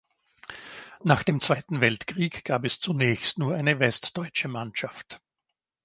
Nach dem Zweiten Weltkrieg gab es zunächst nur eine westdeutsche Mannschaft.